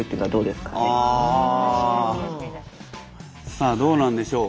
さあどうなんでしょう？